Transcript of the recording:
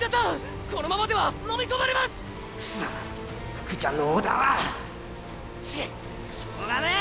福ちゃんのオーダーはチッしょうがねえ！